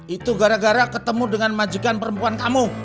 itu gara gara ketemu dengan majikan perempuan kamu